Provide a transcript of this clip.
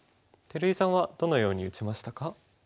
照井さんはどのように打ちましたか？